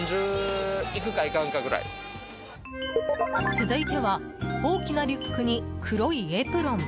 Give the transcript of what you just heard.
続いては、大きなリュックに黒いエプロン。